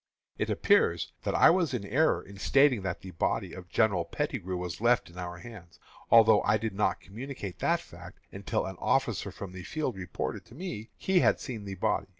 It appears that I was in error in stating that the body of General Pettigrew was left in our hands, although I did not communicate that fact until an officer from the field reported to me he had seen the body.